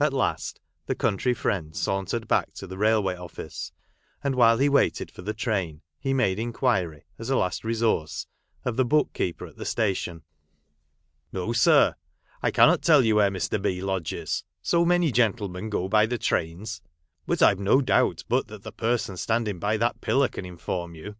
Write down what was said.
At last the country friend sauntered back to the railway office, and while he waited for the train he made inquiry, as a last resource, of ' the book keeper at the station. " No, sir, I cannot tell you where Mr. B. lodges — so many gentlemen go by the trains ; but I have no doubt but that the person standing by that pillar caa inform you."